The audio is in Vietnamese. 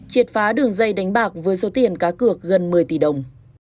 triệt phá đường dây đánh bạc với số tiền cá cược gần một mươi tỷ đồng